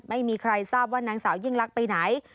ไม่มีใครทราบว่านางสาวยิ่งลักษณ์ไปไหน